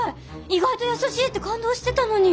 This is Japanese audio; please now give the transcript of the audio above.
意外と優しいって感動してたのに！